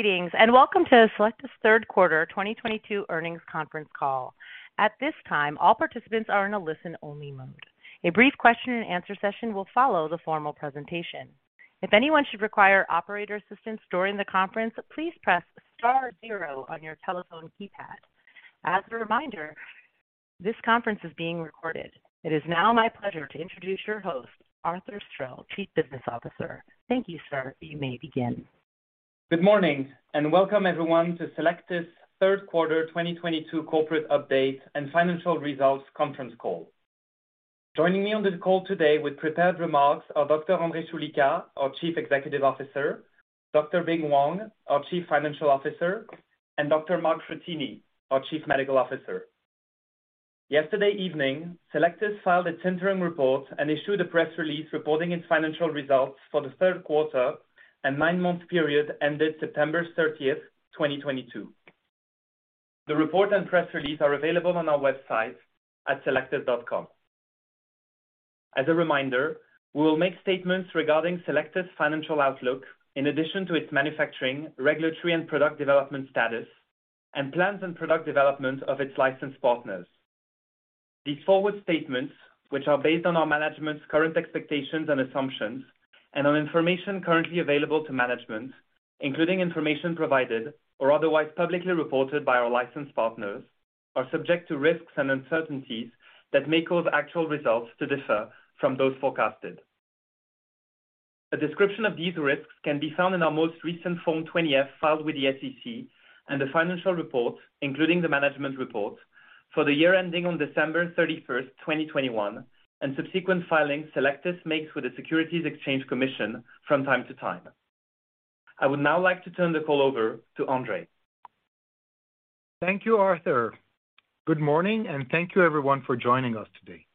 Greetings, and welcome to Cellectis' third quarter 2022 earnings conference call. At this time, all participants are in a listen-only mode. A brief question and answer session will follow the formal presentation. If anyone should require operator assistance during the conference, please press star zero on your telephone keypad. As a reminder, this conference is being recorded. It is now my pleasure to introduce your host, Arthur Stril, Chief Business Officer. Thank you, sir. You may begin. Good morning, and welcome everyone to Cellectis' third quarter 2022 corporate update and financial results conference call. Joining me on this call today with prepared remarks are Dr. André Choulika, our Chief Executive Officer, Dr. Bing Wang, our Chief Financial Officer, and Dr. Mark Frattini, our Chief Medical Officer. Yesterday evening, Cellectis filed its interim report and issued a press release reporting its financial results for the third quarter and 9-month period ended September 30, 2022. The report and press release are available on our website at cellectis.com. As a reminder, we will make statements regarding Cellectis' financial outlook in addition to its manufacturing, regulatory, and product development status and plans and product development of its licensed partners. These forward statements, which are based on our management's current expectations and assumptions and on information currently available to management, including information provided or otherwise publicly reported by our licensed partners, are subject to risks and uncertainties that may cause actual results to differ from those forecasted. A description of these risks can be found in our most recent Form 20-F filed with the SEC and the financial report, including the management report for the year ending on December 31, 2021, and subsequent filings Cellectis makes with the Securities and Exchange Commission from time to time. I would now like to turn the call over to André. Thank you, Arthur. Good morning, and thank you everyone for joining us today.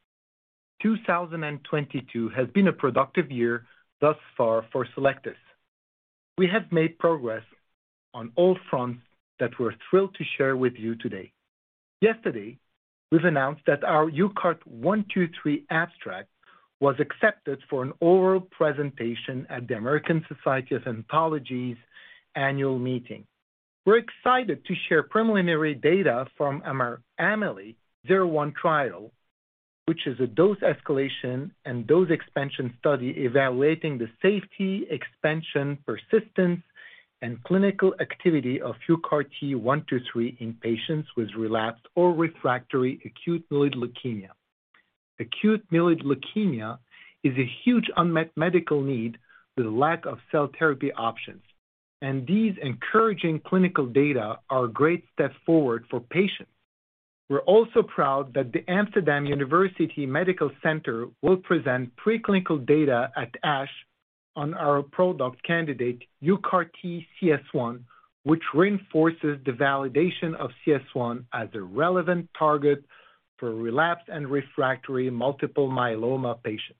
2022 has been a productive year thus far for Cellectis. We have made progress on all fronts that we're thrilled to share with you today. Yesterday, we've announced that our UCART123 abstract was accepted for an oral presentation at the American Society of Hematology's annual meeting. We're excited to share preliminary data from our AMELI-01 trial, which is a dose escalation and dose expansion study evaluating the safety, expansion, persistence, and clinical activity of UCART123 in patients with relapsed or refractory acute myeloid leukemia. Acute myeloid leukemia is a huge unmet medical need with a lack of cell therapy options, and these encouraging clinical data are a great step forward for patients. We're also proud that the Amsterdam University Medical Centers will present preclinical data at ASH on our product candidate, UCARTCS1, which reinforces the validation of CS1 as a relevant target for relapsed and refractory multiple myeloma patients.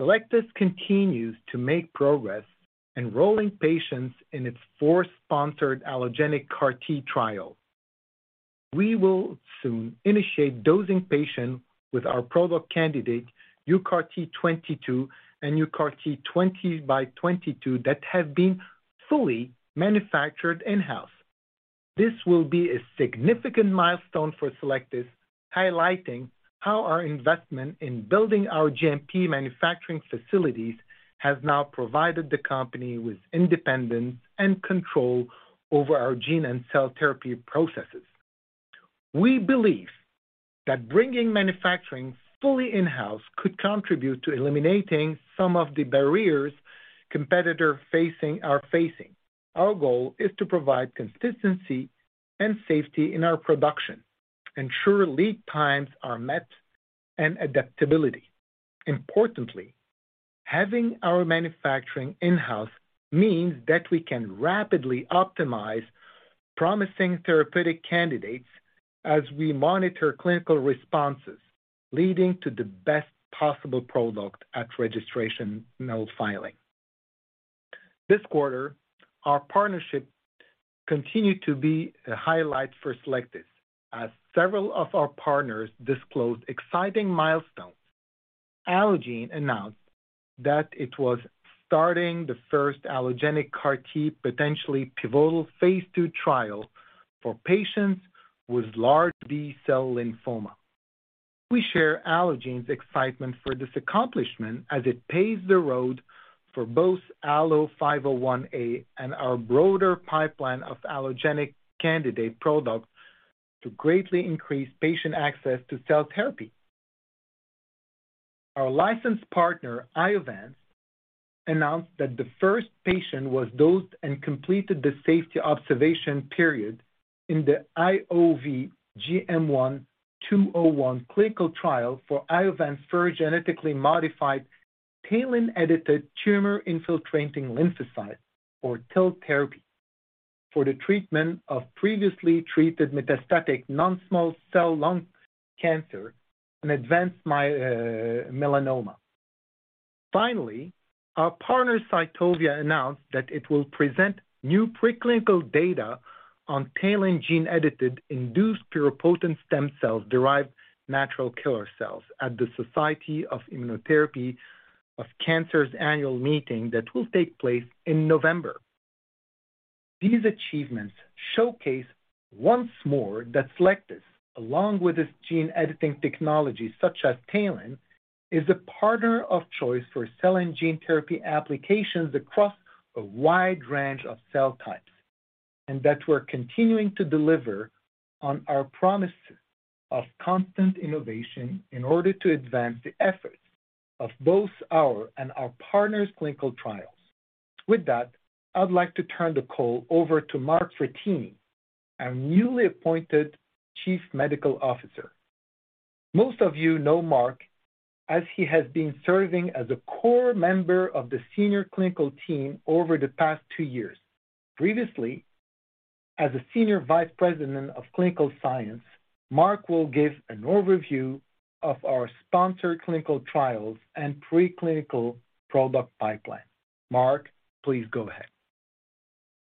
Cellectis continues to make progress enrolling patients in its fourth sponsored allogeneic CAR-T trial. We will soon initiate dosing patients with our product candidate, UCART22 and UCART20x22, that have been fully manufactured in-house. This will be a significant milestone for Cellectis, highlighting how our investment in building our GMP manufacturing facilities has now provided the company with independence and control over our gene and cell therapy processes. We believe that bringing manufacturing fully in-house could contribute to eliminating some of the barriers competitors are facing. Our goal is to provide consistency and safety in our production, ensure lead times are met, and adaptability. Importantly, having our manufacturing in-house means that we can rapidly optimize promising therapeutic candidates as we monitor clinical responses, leading to the best possible product at registration now filing. This quarter, our partnership continued to be a highlight for Cellectis as several of our partners disclosed exciting milestones. Allogene announced that it was starting the first allogeneic CAR-T potentially pivotal phase 2 trial for patients with large B-cell lymphoma. We share Allogene's excitement for this accomplishment as it paves the road for both ALLO-501A and our broader pipeline of allogeneic candidate products to greatly increase patient access to cell therapy. Our licensed partner, Iovance, announced that the first patient was dosed and completed the safety observation period in the IOV-GM1-201 clinical trial for Iovance's first genetically modified TALEN-edited tumor-infiltrating lymphocytes or TIL therapy for the treatment of previously treated metastatic non-small cell lung cancer and advanced melanoma. Finally, our partner, Cytovia, announced that it will present new preclinical data on TALEN gene-edited induced pluripotent stem cells-derived natural killer cells at the Society for Immunotherapy of Cancer's annual meeting that will take place in November. These achievements showcase once more that Cellectis, along with its gene editing technology such as TALEN, is the partner of choice for cell and gene therapy applications across a wide range of cell types, and that we're continuing to deliver on our promise of constant innovation in order to advance the efforts of both our and our partners' clinical trials. With that, I'd like to turn the call over to Mark Frattini, our newly appointed Chief Medical Officer. Most of you know Mark as he has been serving as a core member of the senior clinical team over the past two years. Previously, as a Senior Vice President of Clinical Science, Mark will give an overview of our sponsored clinical trials and preclinical product pipeline. Mark, please go ahead.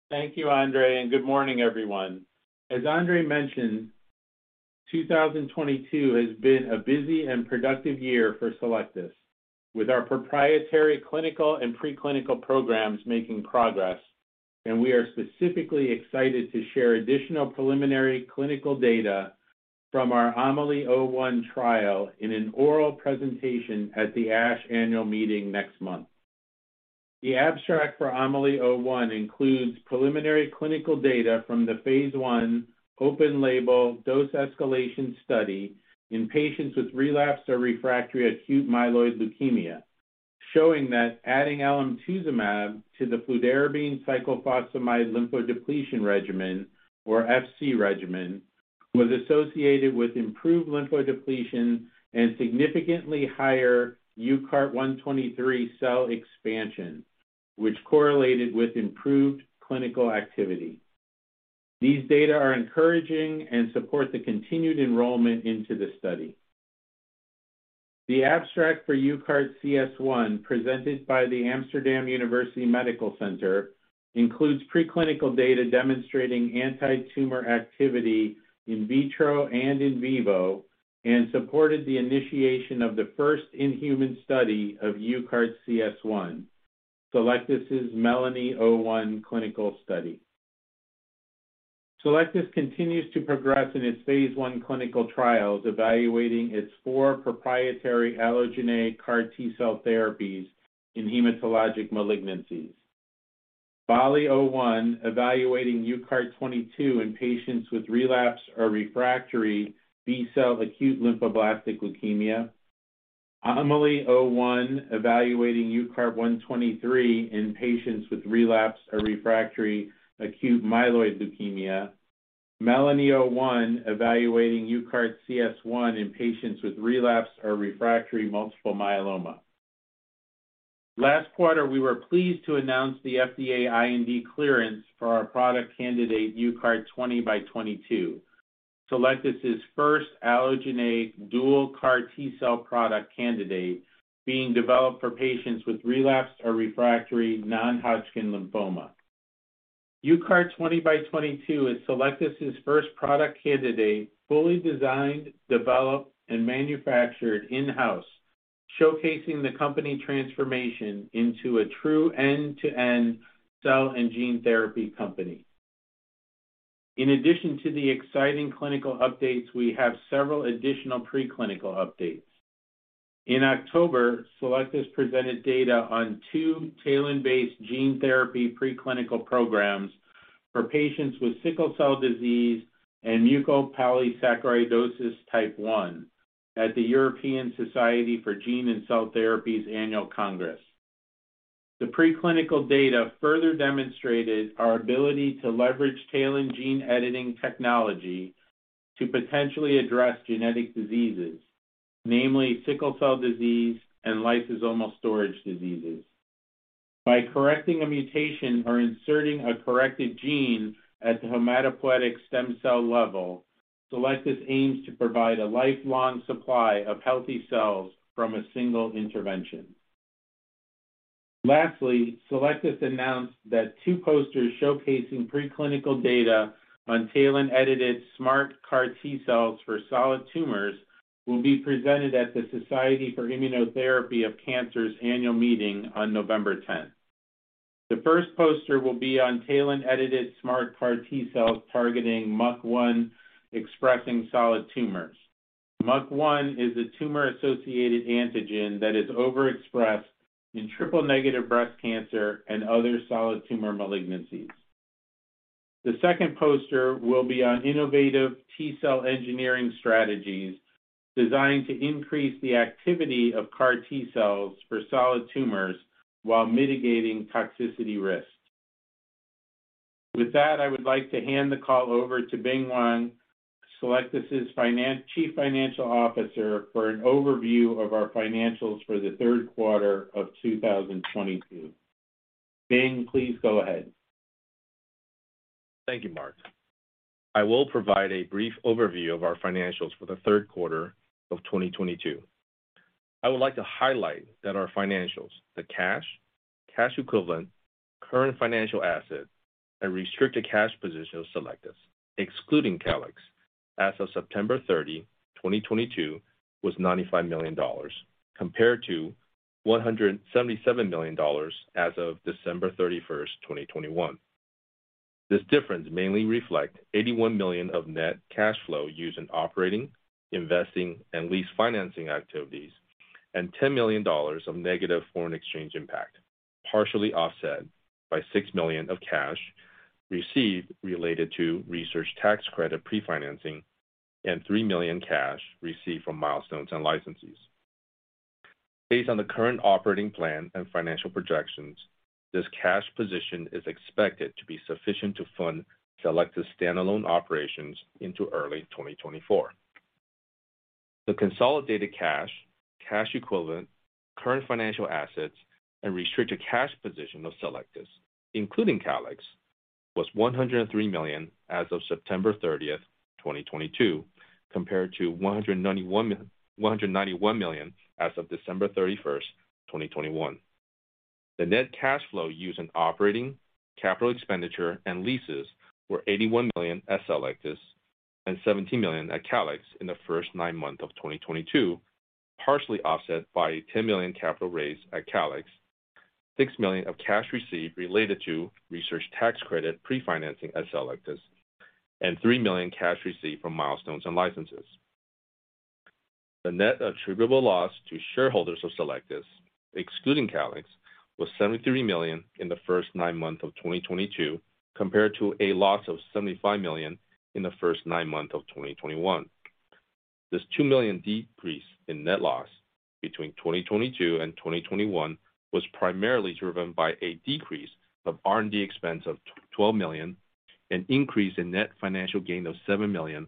Thank you, André, and good morning, everyone. 2022 has been a busy and productive year for Cellectis, with our proprietary clinical and preclinical programs making progress, and we are specifically excited to share additional preliminary clinical data from our AMELI-01 trial in an oral presentation at the ASH annual meeting next month. The abstract for AMELI-01 includes preliminary clinical data from the phase 1 open-label dose escalation study in patients with relapsed or refractory acute myeloid leukemia, showing that adding alemtuzumab to the fludarabine cyclophosphamide lymphodepletion regimen, or FC regimen, was associated with improved lymphodepletion and significantly higher UCART123 cell expansion, which correlated with improved clinical activity. These data are encouraging and support the continued enrollment into the study. The abstract for UCARTCS1 presented by the Amsterdam University Medical Centers includes preclinical data demonstrating antitumor activity in vitro and in vivo and supported the initiation of the first in-human study of UCARTCS1, Cellectis' MELANI-01 clinical study. Cellectis continues to progress in its phase 1 clinical trials evaluating its four proprietary allogeneic CAR T-cell therapies in hematologic malignancies. BALLI-01 evaluating UCART22 in patients with relapsed or refractory B-cell acute lymphoblastic leukemia. AMELI-01 evaluating UCART123 in patients with relapsed or refractory acute myeloid leukemia. MELANI-01 evaluating UCARTCS1 in patients with relapsed or refractory multiple myeloma. Last quarter, we were pleased to announce the FDA IND clearance for our product candidate, UCART20x22, Cellectis' first allogeneic dual CAR T-cell product candidate being developed for patients with relapsed or refractory non-Hodgkin lymphoma. UCART20x22 is Cellectis' first product candidate fully designed, developed, and manufactured in-house, showcasing the company transformation into a true end-to-end cell and gene therapy company. In addition to the exciting clinical updates, we have several additional preclinical updates. In October, Cellectis presented data on two TALEN-based gene therapy preclinical programs for patients with sickle cell disease and mucopolysaccharidosis type I at the European Society of Gene and Cell Therapy's annual congress. The preclinical data further demonstrated our ability to leverage TALEN gene editing technology to potentially address genetic diseases, namely sickle cell disease and lysosomal storage diseases. By correcting a mutation or inserting a corrected gene at the hematopoietic stem cell level, Cellectis aims to provide a lifelong supply of healthy cells from a single intervention. Lastly, Cellectis announced that two posters showcasing preclinical data on TALEN-edited smart CAR T-cells for solid tumors will be presented at the Society for Immunotherapy of Cancer's annual meeting on November tenth. The first poster will be on TALEN-edited smart CAR T-cells targeting MUC1-expressing solid tumors. MUC1 is a tumor-associated antigen that is overexpressed in triple-negative breast cancer and other solid tumor malignancies. The second poster will be on innovative T-cell engineering strategies designed to increase the activity of CAR T-cells for solid tumors while mitigating toxicity risks. With that, I would like to hand the call over to Bing Wang, Cellectis' Chief Financial Officer, for an overview of our financials for the third quarter of 2022. Bing, please go ahead. Thank you, Mark. I will provide a brief overview of our financials for the third quarter of 2022. I would like to highlight that our financials, the cash equivalent, current financial assets, and restricted cash position of Cellectis, excluding Calyxt, as of September 30, 2022 was $95 million compared to $177 million as of December 31, 2021. This difference mainly reflect $81 million of net cash flow used in operating, investing, and lease financing activities, and $10 million of negative foreign exchange impact, partially offset by $6 million of cash received related to research tax credit pre-financing and $3 million cash received from milestones and licenses. Based on the current operating plan and financial projections, this cash position is expected to be sufficient to fund Cellectis' standalone operations into early 2024. The consolidated cash equivalent, current financial assets, and restricted cash position of Cellectis, including Calyxt, was 103 million as of September thirtieth, 2022, compared to 191 million as of December thirty-first, 2021. The net cash flow used in operating, capital expenditure, and leases were 81 million at Cellectis and 17 million at Calyxt in the first nine months of 2022, partially offset by 10 million capital raised at Calyxt, 6 million of cash received related to research tax credit pre-financing at Cellectis, and 3 million cash received from milestones and licenses. The net attributable loss to shareholders of Cellectis, excluding Calyxt, was 73 million in the first nine months of 2022, compared to a loss of 75 million in the first nine months of 2021. This 2 million decrease in net loss between 2022 and 2021 was primarily driven by a decrease of R&D expense of 12 million, an increase in net financial gain of 7 million,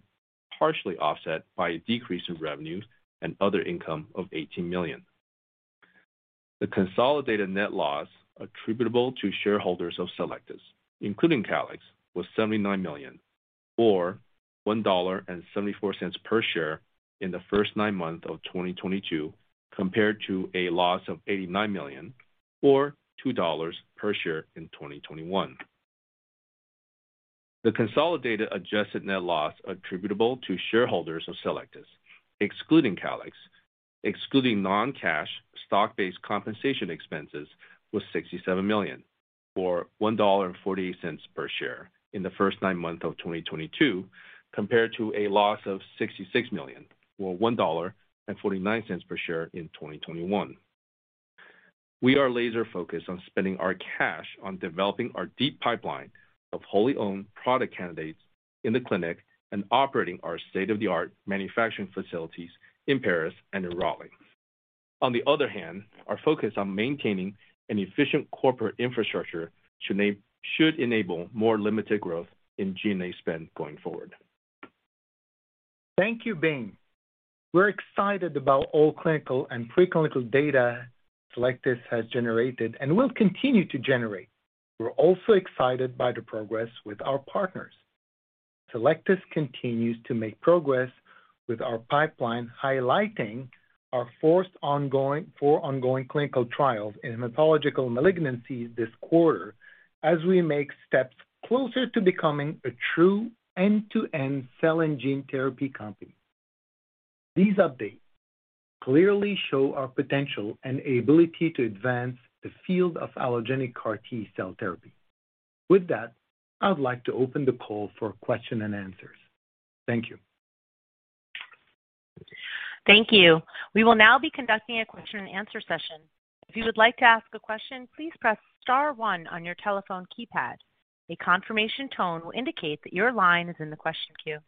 partially offset by a decrease in revenues and other income of 18 million. The consolidated net loss attributable to shareholders of Cellectis, including Calyxt, was EUR 79 million, or $1.74 per share in the first nine months of 2022, compared to a loss of 89 million, or $2 per share in 2021. The consolidated adjusted net loss attributable to shareholders of Cellectis, excluding Calyxt, excluding non-cash stock-based compensation expenses, was 67 million, or $1.48 per share in the first nine months of 2022, compared to a loss of 66 million, or $1.49 per share in 2021. We are laser focused on spending our cash on developing our deep pipeline of wholly owned product candidates in the clinic and operating our state-of-the-art manufacturing facilities in Paris and in Raleigh. On the other hand, our focus on maintaining an efficient corporate infrastructure should enable more limited growth in G&A spend going forward. Thank you, Bing. We're excited about all clinical and pre-clinical data Cellectis has generated and will continue to generate. We're also excited by the progress with our partners. Cellectis continues to make progress with our pipeline, highlighting our four ongoing clinical trials in hematological malignancies this quarter as we make steps closer to becoming a true end-to-end cell and gene therapy company. These updates clearly show our potential and ability to advance the field of allogeneic CAR T-cell therapy. With that, I would like to open the call for questions and answers. Thank you. Thank you. We will now be conducting a question and answer session. If you would like to ask a question, please press star one on your telephone keypad. A confirmation tone will indicate that your line is in the question queue.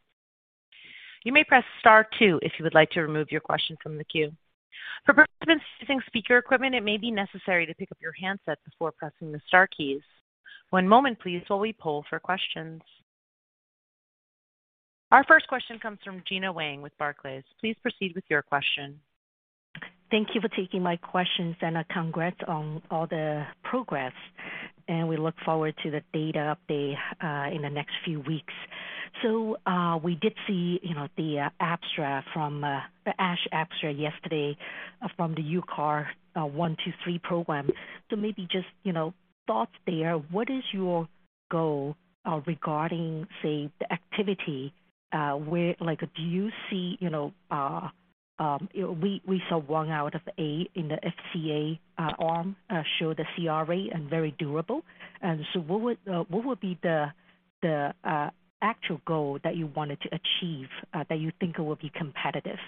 You may press star two if you would like to remove your question from the queue. For participants using speaker equipment, it may be necessary to pick up your handset before pressing the star keys. One moment please while we poll for questions. Our first question comes from Gena Wang with Barclays. Please proceed with your question. Thank you for taking my questions, and congrats on all the progress, and we look forward to the data update in the next few weeks. We did see, you know, the abstract from the ASH abstract yesterday from the UCART123 program. Maybe just, you know, thoughts there. What is your goal regarding, say, the activity, like, do you see, you know, we saw 1 out of 8 in the FCA arm show the CR rate and very durable. What would be the actual goal that you wanted to achieve that you think it would be competitive?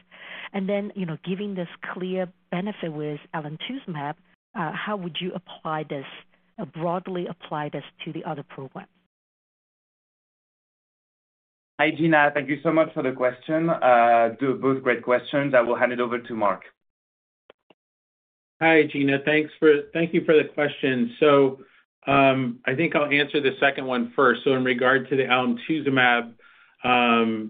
You know, giving this clear benefit with alemtuzumab, how would you apply this, broadly apply this to the other programs? Hi, Gena. Thank you so much for the question. They're both great questions. I will hand it over to Mark. Hi, Gina. Thank you for the question. I think I'll answer the second one first. In regard to the alemtuzumab,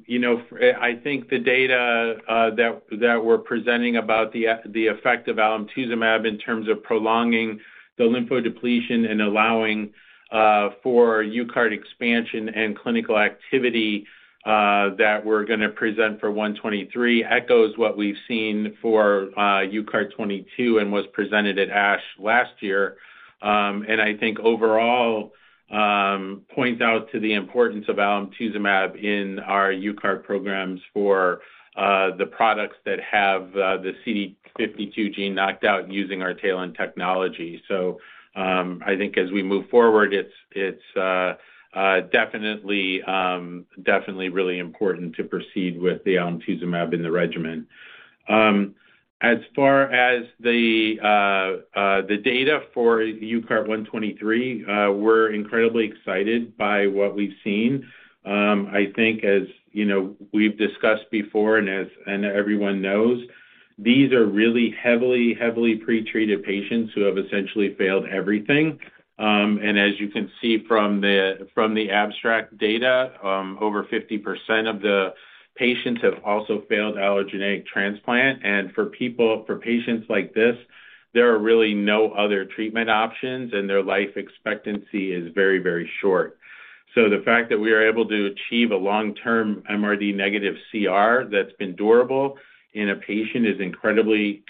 you know, I think the data that we're presenting about the effect of alemtuzumab in terms of prolonging the lymphodepletion and allowing for UCART expansion and clinical activity that we're gonna present for UCART123 echoes what we've seen for UCART22 and was presented at ASH last year. I think overall points out to the importance of alemtuzumab in our UCART programs for the products that have the CD52 gene knocked out using our TALEN technology. I think as we move forward it's definitely really important to proceed with the alemtuzumab in the regimen. As far as the data for UCART123, we're incredibly excited by what we've seen. I think as you know, we've discussed before and everyone knows, these are really heavily pre-treated patients who have essentially failed everything. And as you can see from the abstract data, over 50% of the patients have also failed allogeneic transplant. For patients like this, there are really no other treatment options, and their life expectancy is very short. The fact that we are able to achieve a long-term MRD negative CR that's been durable in a patient is incredibly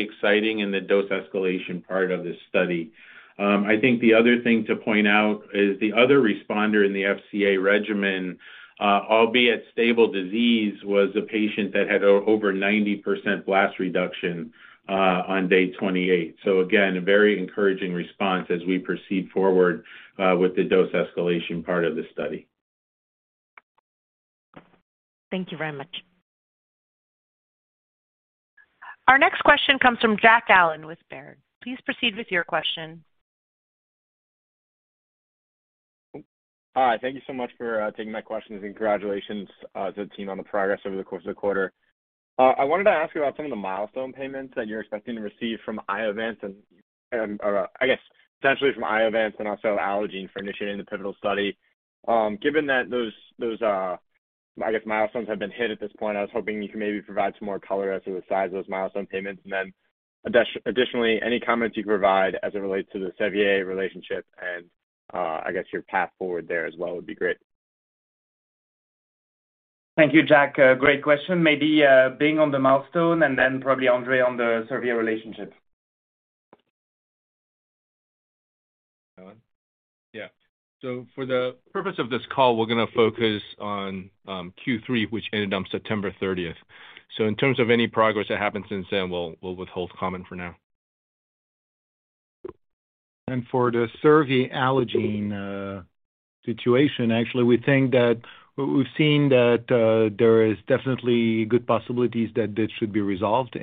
exciting in the dose escalation part of this study. I think the other thing to point out is the other responder in the FCA regimen, albeit stable disease, was a patient that had over 90% blast reduction on day 28. Again, a very encouraging response as we proceed forward with the dose escalation part of the study. Thank you very much. Our next question comes from Jack Allen with Baird. Please proceed with your question. Hi. Thank you so much for taking my questions, and congratulations to the team on the progress over the course of the quarter. I wanted to ask you about some of the milestone payments that you're expecting to receive from Iovance and or potentially from Iovance and also Allogene for initiating the pivotal study. Given that those milestones have been hit at this point, I was hoping you could maybe provide some more color as to the size of those milestone payments. Additionally, any comments you can provide as it relates to the Servier relationship and your path forward there as well would be great. Thank you, Jack. A great question. Maybe, Bing on the milestone and then probably André on the Servier relationship. Yeah. For the purpose of this call, we're gonna focus on Q3, which ended on September thirtieth. In terms of any progress that happened since then, we'll withhold comment for now. For the Servier Allogene situation, actually, we think that we've seen that there is definitely good possibilities that this should be resolved.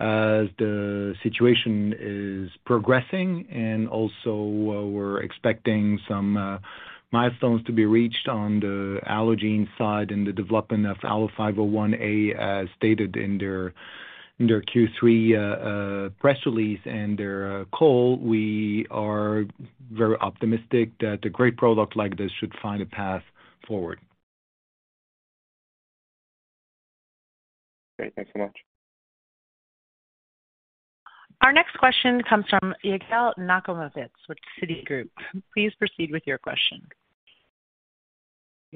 As the situation is progressing and also we're expecting some milestones to be reached on the Allogene side in the development of ALLO-501A, as stated in their Q3 press release and their call, we are very optimistic that a great product like this should find a path forward. Great. Thanks so much. Our next question comes from Yigal Nochomovitz with Citigroup. Please proceed with your question.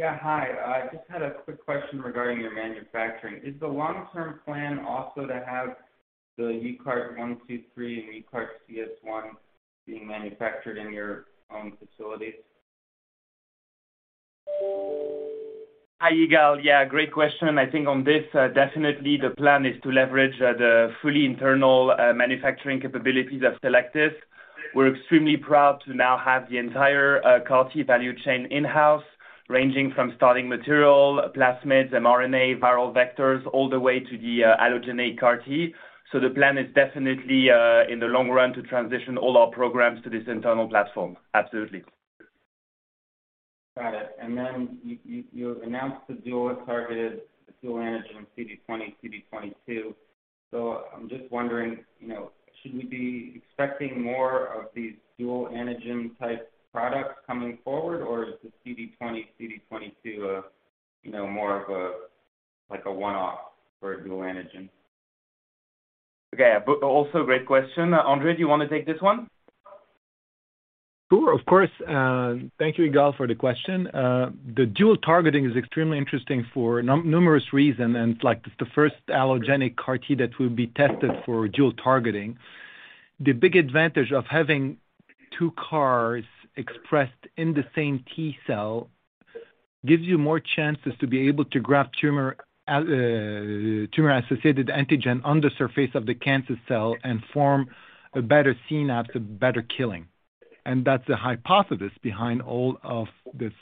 Hi. I just had a quick question regarding your manufacturing. Is the long-term plan also to have the UCART123 and UCARTCS1 being manufactured in your own facilities? Hi, Yigal. Great question. I think on this, definitely the plan is to leverage the fully internal manufacturing capabilities of Cellectis. We're extremely proud to now have the entire CAR T value chain in-house, ranging from starting material, plasmids, mRNA, viral vectors, all the way to the allogeneic CAR T. The plan is definitely, in the long run to transition all our programs to this internal platform. Absolutely. Got it. Then you announced the dual targeted, dual antigen CD 20, CD 22. I'm just wondering, you know, should we be expecting more of these dual antigen type products coming forward, or is the CD 20, CD 22 a, you know, more of a, like a one-off for a dual antigen? Okay. Also great question. André, do you wanna take this one? Sure. Of course. Thank you, Yigal, for the question. The dual targeting is extremely interesting for numerous reasons, and it's like the first allogeneic CAR T that will be tested for dual targeting. The big advantage of having two CARs expressed in the same T-cell gives you more chances to be able to grab tumor-associated antigen on the surface of the cancer cell and form a better synapse, better killing. That's the hypothesis behind all of this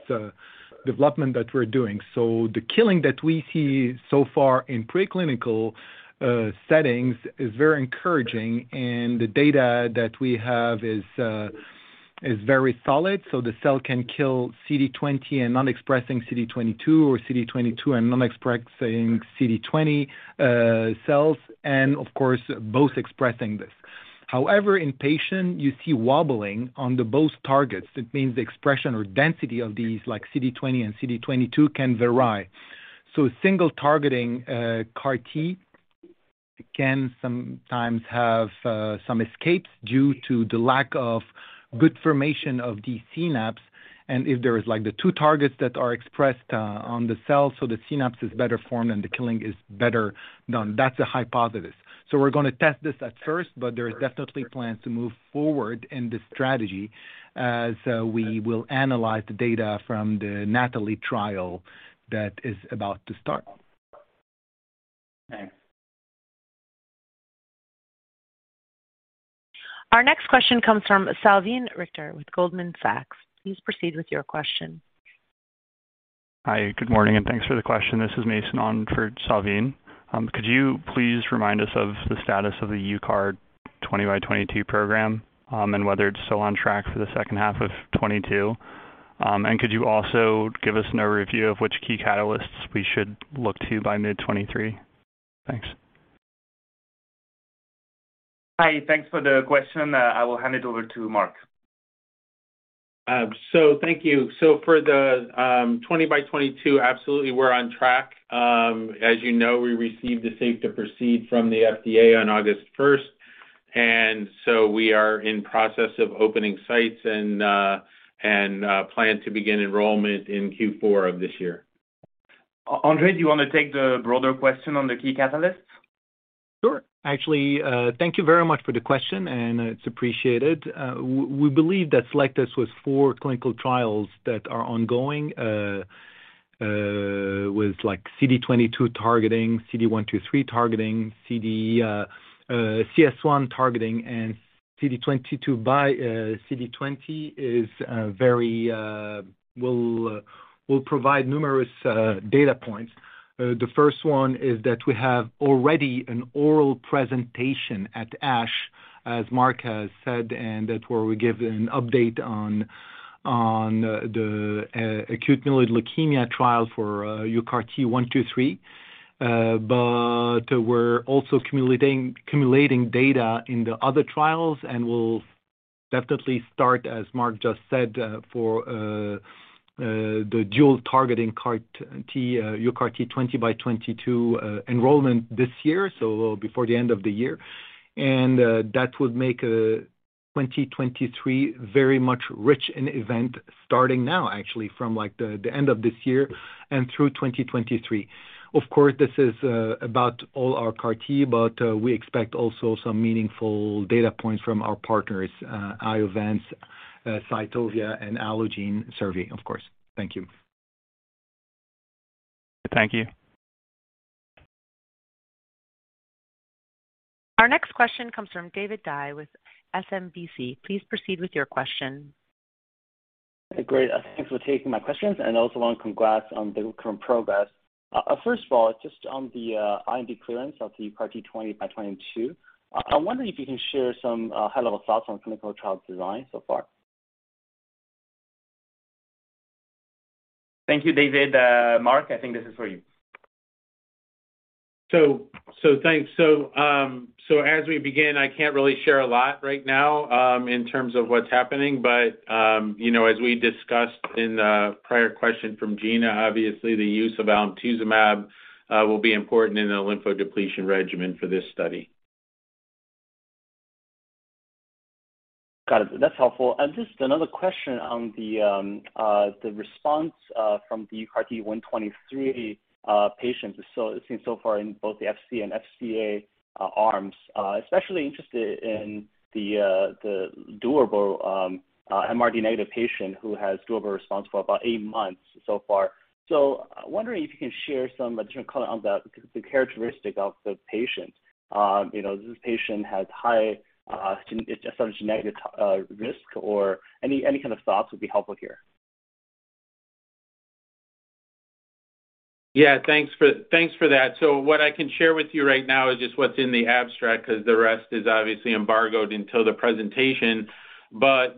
development that we're doing. The killing that we see so far in preclinical settings is very encouraging, and the data that we have is very solid, so the cell can kill CD20 and not expressing CD22 or CD22 and not expressing CD20 cells, and of course, both expressing this. However, in patient, you see wobbling on both targets. That means the expression or density of these like CD20 and CD22 can vary. Single targeting CAR T can sometimes have some escapes due to the lack of good formation of the synapse. If there is like the two targets that are expressed on the cell, the synapse is better formed and the killing is better done. That's a hypothesis. We're gonna test this at first, but there is definitely plans to move forward in this strategy. We will analyze the data from the NATHALI-01 trial that is about to start. Thanks. Our next question comes from Salveen Richter with Goldman Sachs. Please proceed with your question. Hi, good morning, and thanks for the question. This is Mason on for Salveen. Could you please remind us of the status of the UCART22 program, and whether it's still on track for the second half of 2022? Could you also give us an overview of which key catalysts we should look to by mid-2023? Thanks. Hi. Thanks for the question. I will hand it over to Mark. Thank you. For 2022, absolutely, we're on track. As you know, we received the safe to proceed from the FDA on August first, and we are in process of opening sites and plan to begin enrollment in Q4 of this year. André, do you wanna take the broader question on the key catalyst? Sure. Actually, thank you very much for the question, and it's appreciated. We believe that Cellectis has four clinical trials that are ongoing with like CD22 targeting, CD123 targeting, CS1 targeting, and CD20 and CD22 will provide numerous data points. The first one is that we have already an oral presentation at ASH, as Mark has said, and that's where we give an update on the acute myeloid leukemia trial for UCART123. We're also accumulating data in the other trials, and we'll definitely start, as Mark just said, the dual targeting CAR T UCART20x22 enrollment this year, so before the end of the year. That would make 2023 very much rich in events starting now, actually from, like, the end of this year and through 2023. Of course, this is about all our CAR T, but we expect also some meaningful data points from our partners, Iovance, Cytovia, and Allogene, Servier, of course. Thank you. Thank you. Our next question comes from David Dai with SMBC. Please proceed with your question. Great. Thanks for taking my questions and also want congrats on the current progress. First of all, just on the IND clearance of the UCART20x22, I wonder if you can share some high-level thoughts on clinical trial design so far. Thank you, David. Mark, I think this is for you. Thanks. As we begin, I can't really share a lot right now, in terms of what's happening. You know, as we discussed in the prior question from Gina, obviously the use of alemtuzumab will be important in the lymphodepletion regimen for this study. Got it. That's helpful. Just another question on the response from the UCART123 patients. It seems so far in both the FC and FCA arms, especially interested in the durable MRD negative patient who has durable response for about 8 months so far. Wondering if you can share some additional color on the characteristic of the patient. You know, this patient has high ELN risk or any kind of thoughts would be helpful here. Yeah. Thanks for that. What I can share with you right now is just what's in the abstract 'cause the rest is obviously embargoed until the presentation.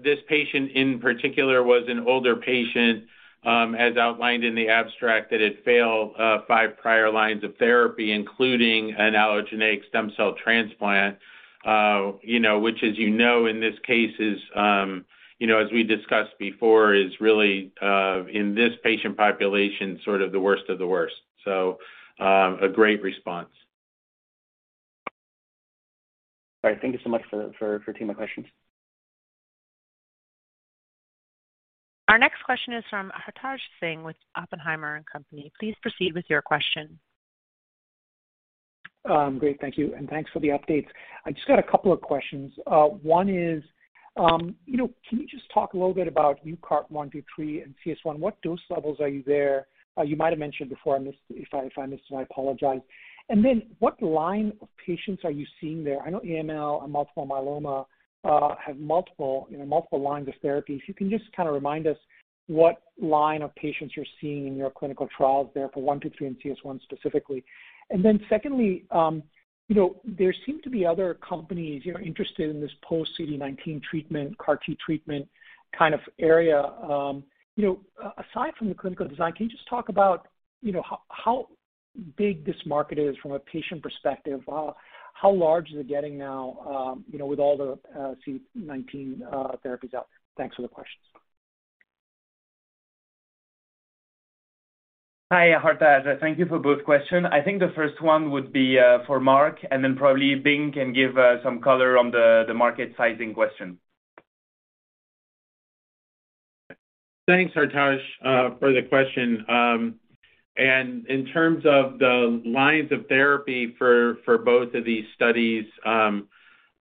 This patient in particular was an older patient, as outlined in the abstract that had failed five prior lines of therapy, including an allogeneic stem cell transplant, you know, which as you know, in this case is, you know, as we discussed before, is really in this patient population, sort of the worst of the worst. A great response. All right. Thank you so much for taking my questions. Our next question is from Hartaj Singh with Oppenheimer & Co. Please proceed with your question. Great. Thank you, and thanks for the updates. I just got a couple of questions. One is, you know, can you just talk a little bit about UCART123 and UCARTCS1? What dose levels are you at there? You might have mentioned before. I missed it. If I missed it, I apologize. And then what line of patients are you seeing there? I know AML and multiple myeloma have multiple lines of therapy. If you can just kinda remind us what line of patients you're seeing in your clinical trials there for UCART123 and UCARTCS1 specifically. And then secondly, you know, there seem to be other companies, you know, interested in this post CD19 treatment, CAR T treatment kind of area. You know, aside from the clinical design, can you just talk about you know, how big this market is from a patient perspective? How large is it getting now, you know, with all the CD19 therapies out there? Thanks for the questions. Hi, Hartaj. Thank you for both question. I think the first one would be for Mark, and then probably Bing can give some color on the market sizing question. Thanks, Hartaj, for the question. In terms of the lines of therapy for both of these studies,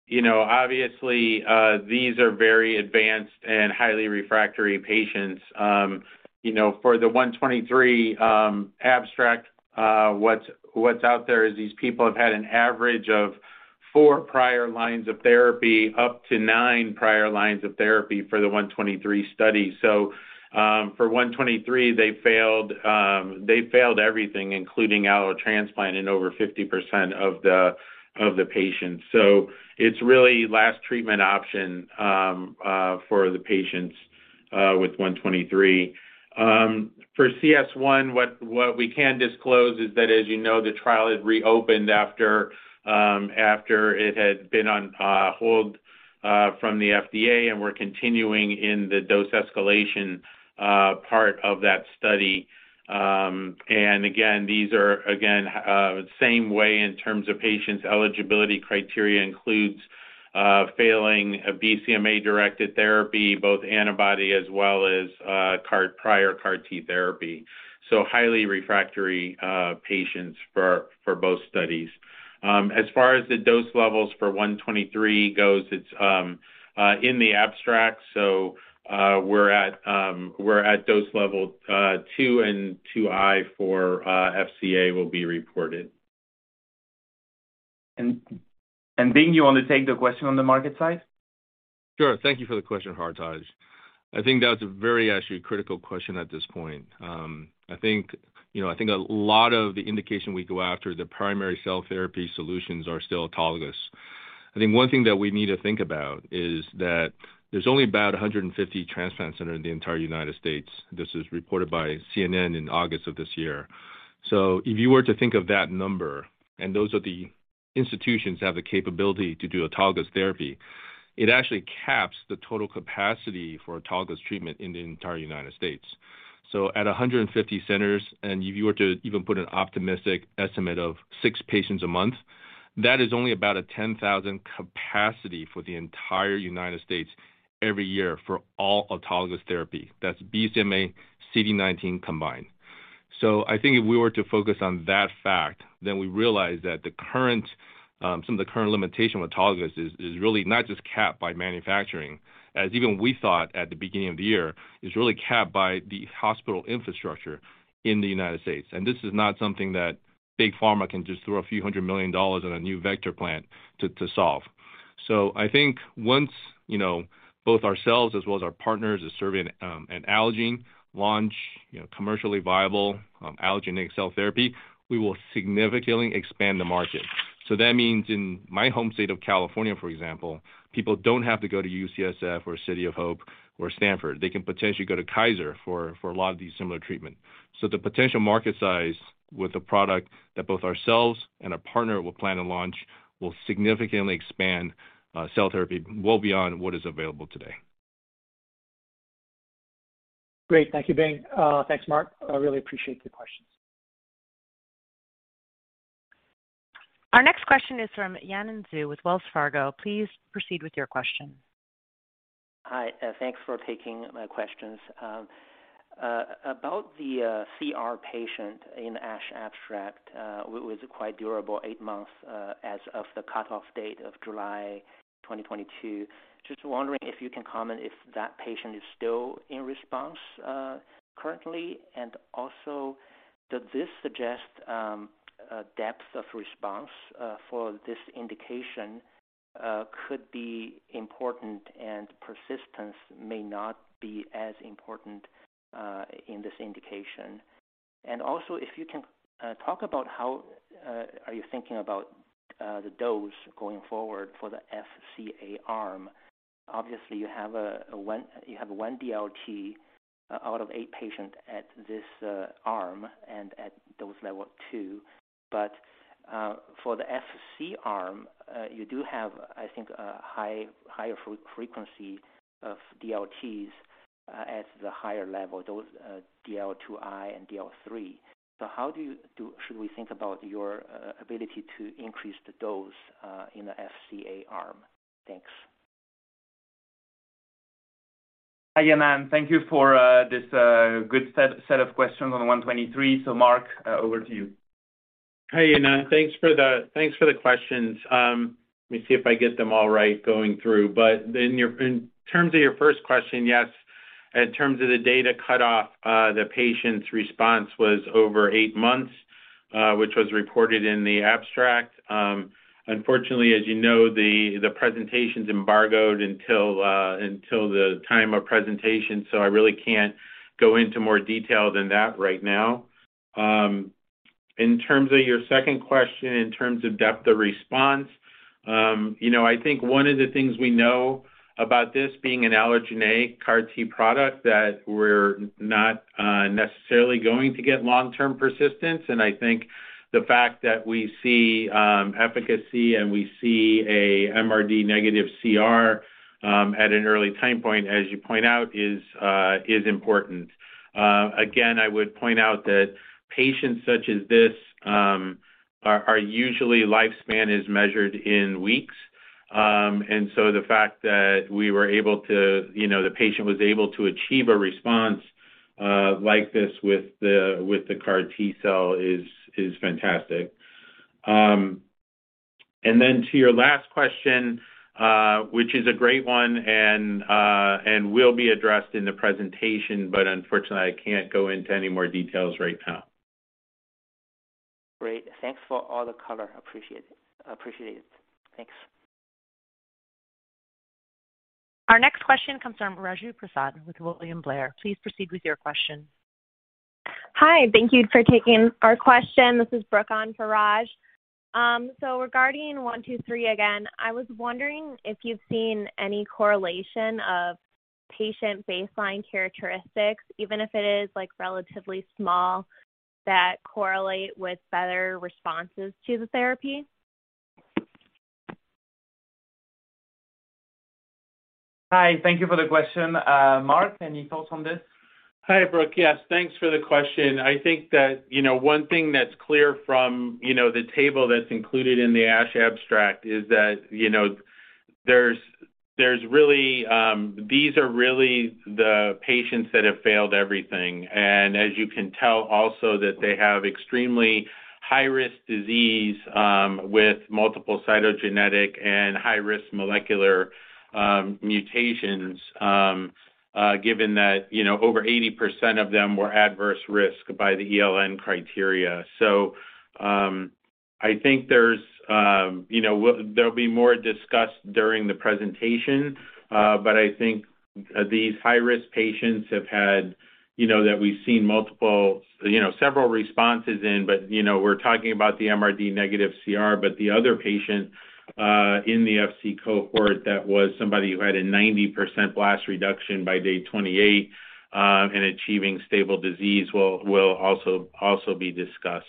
you know, obviously, these are very advanced and highly refractory patients. You know, for the UCART123 abstract, what's out there is these people have had an average of four prior lines of therapy up to nine prior lines of therapy for the UCART123 study. For UCART123, they failed everything, including allotransplant in over 50% of the patients. It's really last treatment option for the patients with UCART123. For CS1, what we can disclose is that, as you know, the trial has reopened after it had been on hold from the FDA, and we're continuing in the dose escalation part of that study. And again, these are the same way in terms of patients' eligibility criteria includes failing a BCMA-directed therapy, both antibody as well as prior CAR T therapy. So highly refractory patients for both studies. As far as the dose levels for 123 goes, it's in the abstract. So we're at dose level 2 and 2i for FCA will be reported. Bing, you want to take the question on the market size? Sure. Thank you for the question, Hartaj. I think that's a very actually critical question at this point. I think, you know, I think a lot of the indication we go after the primary cell therapy solutions are still autologous. I think one thing that we need to think about is that there's only about 150 transplant centers in the entire United States. This is reported by CNN in August of this year. If you were to think of that number, and those are the institutions that have the capability to do autologous therapy, it actually caps the total capacity for autologous treatment in the entire United States. At 150 centers, and if you were to even put an optimistic estimate of 6 patients a month, that is only about a 10,000 capacity for the entire United States every year for all autologous therapy. That's BCMA, CD19 combined. I think if we were to focus on that fact, then we realize that the current, some of the current limitation with autologous is really not just capped by manufacturing, as even we thought at the beginning of the year, it's really capped by the hospital infrastructure in the United States. This is not something that big pharma can just throw a few hundred million dollars at a new vector plant to solve. I think once, you know, both ourselves as well as our partners at Servier and Allogene launch, you know, commercially viable allogeneic cell therapy, we will significantly expand the market. That means in my home state of California, for example, people don't have to go to UCSF or City of Hope or Stanford. They can potentially go to Kaiser for a lot of these similar treatment. The potential market size with a product that both ourselves and our partner will plan to launch will significantly expand cell therapy well beyond what is available today. Great. Thank you, Bing. Thanks, Mark. I really appreciate the questions. Our next question is from Yanan Zhu with Wells Fargo. Please proceed with your question. Hi. Thanks for taking my questions. About the CR patient in ASH abstract was quite durable, 8 months as of the cutoff date of July 2022. Just wondering if you can comment if that patient is still in response currently. Does this suggest a depth of response for this indication could be important and persistence may not be as important in this indication? If you can talk about how are you thinking about the dose going forward for the FCA arm. Obviously, you have one DLT out of 8 patients at this arm and at dose level 2. For the FC arm, you do have, I think, a higher frequency of DLTs at the higher level, those Dose Level 2i and DL 3. How should we think about your ability to increase the dose in the FCA arm? Thanks. Hi, Yanan. Thank you for this good set of questions on UCART123. Mark, over to you. Hi, Yanan. Thanks for the questions. Let me see if I get them all right going through. In terms of your first question, yes, in terms of the data cutoff, the patient's response was over eight months, which was reported in the abstract. Unfortunately, as you know, the presentation's embargoed until the time of presentation, so I really can't go into more detail than that right now. In terms of your second question, in terms of depth of response, you know, I think one of the things we know about this being an allogeneic CAR T product that we're not necessarily going to get long-term persistence. I think the fact that we see efficacy and we see a MRD negative CR at an early time point, as you point out, is important. Again, I would point out that patients such as this are usually lifespan is measured in weeks. The fact that we were able to, you know, the patient was able to achieve a response like this with the CAR T-cell is fantastic. To your last question, which is a great one and will be addressed in the presentation, but unfortunately, I can't go into any more details right now. Great. Thanks for all the color. Appreciate it. Appreciate it. Thanks. Our next question comes from Raju Prasad with William Blair. Please proceed with your question. Hi. Thank you for taking our question. This is Brooke on for Raj. Regarding UCART123 again, I was wondering if you've seen any correlation of patient baseline characteristics, even if it is like relatively small, that correlate with better responses to the therapy. Hi. Thank you for the question. Mark, any thoughts on this? Hi, Brooke. Yes, thanks for the question. I think that, you know, one thing that's clear from, you know, the table that's included in the ASH abstract is that, you know, there's really these are really the patients that have failed everything. As you can tell also that they have extremely high risk disease with multiple cytogenetic and high risk molecular mutations, given that, you know, over 80% of them were adverse risk by the ELN criteria. I think there's, you know, there'll be more discussed during the presentation, but I think these high-risk patients have had, you know, that we've seen multiple, you know, several responses in, but, you know, we're talking about the MRD negative CR. The other patient in the FC cohort, that was somebody who had a 90% blast reduction by day 28, and achieving stable disease will also be discussed.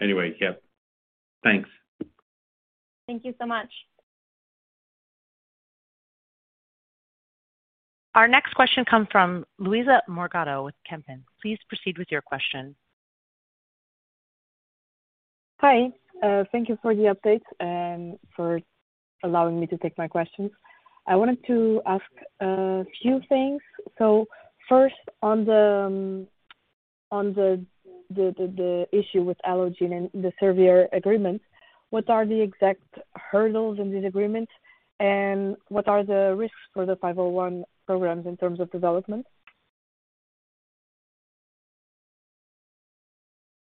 Anyway, yeah. Thanks. Thank you so much. Our next question comes from Luisa Morgado with Kempen. Please proceed with your question. Hi. Thank you for the update and for allowing me to take my questions. I wanted to ask a few things. First on the issue with Allogene and the Servier agreement, what are the exact hurdles in this agreement? And what are the risks for the 501 programs in terms of development?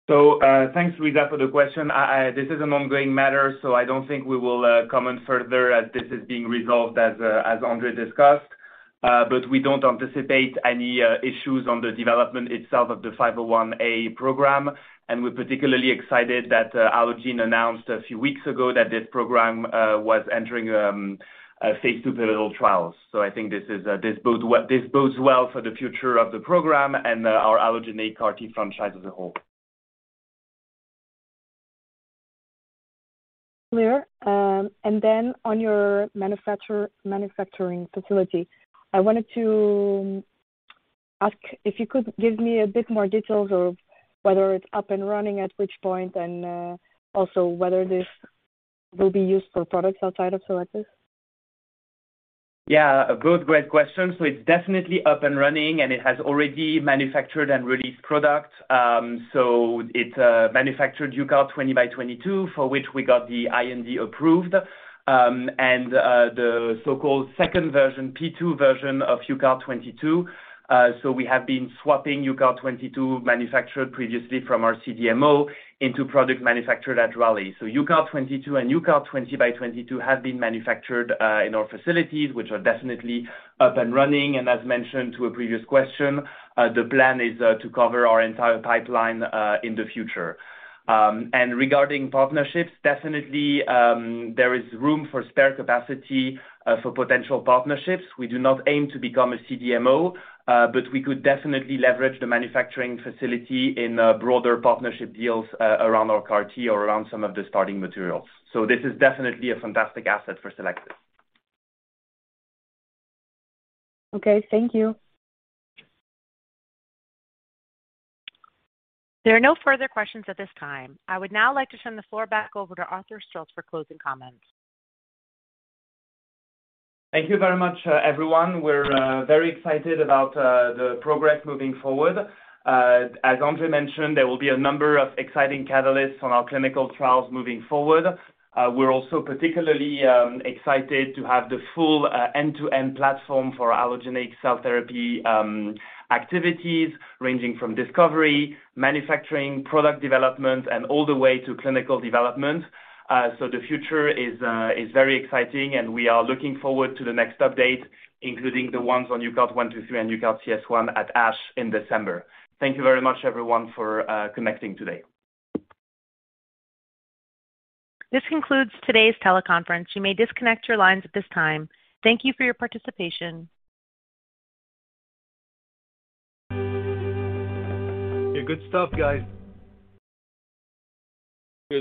Thanks, Luisa, for the question. This is an ongoing matter, so I don't think we will comment further as this is being resolved as André discussed. But we don't anticipate any issues on the development itself of the ALLO-501A program. We're particularly excited that Allogene announced a few weeks ago that this program was entering a phase 2 pivotal trials. I think this bodes well for the future of the program and our allogeneic CAR-T franchise as a whole. Clear. Then on your manufacturing facility, I wanted to ask if you could give me a bit more details or whether it's up and running at which point, and also whether this will be used for products outside of Cellectis. Yeah, both great questions. It's definitely up and running, and it has already manufactured and released product. It manufactured UCART20x22, for which we got the IND approved, and the so-called second version, P2 version of UCART22. We have been swapping UCART22 manufactured previously from our CDMO into product manufactured at Raleigh. UCART22 and UCART20x22 have been manufactured in our facilities, which are definitely up and running. As mentioned to a previous question, the plan is to cover our entire pipeline in the future. Regarding partnerships, definitely, there is room for spare capacity for potential partnerships. We do not aim to become a CDMO, but we could definitely leverage the manufacturing facility in broader partnership deals around our CAR T or around some of the starting materials. This is definitely a fantastic asset for Cellectis. Okay. Thank you. There are no further questions at this time. I would now like to turn the floor back over to Arthur Stril for closing comments. Thank you very much, everyone. We're very excited about the progress moving forward. As André mentioned, there will be a number of exciting catalysts on our clinical trials moving forward. We're also particularly excited to have the full end-to-end platform for allogeneic cell therapy activities ranging from discovery, manufacturing, product development, and all the way to clinical development. The future is very exciting, and we are looking forward to the next update, including the ones on UCART123 and UCARTCS1 at ASH in December. Thank you very much, everyone, for connecting today. This concludes today's teleconference. You may disconnect your lines at this time. Thank you for your participation. Yeah, good stuff, guys.